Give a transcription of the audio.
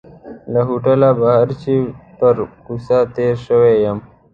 له هوټله بهر چې پر کوڅه تېر شوی یم.